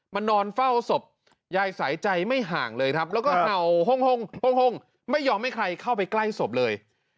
นอนเฝ้าศพยายสายใจไม่ห่างเลยครับแล้วก็เห่าห้งไม่ยอมให้ใครเข้าไปใกล้ศพเลย